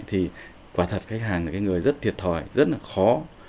thì quả thật khách hàng là cái người rất thiệt thòi rất là khó